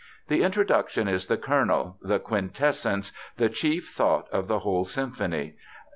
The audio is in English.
"The Introduction is the kernel, the quintessence, the chief thought of the whole symphony.